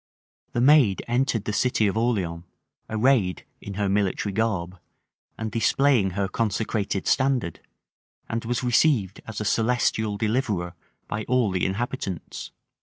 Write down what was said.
The maid entered the city of Orleans, arrayed in her military garb, and displaying her consecrated standard; and was received as a celestial deliverer by all the inhabitants.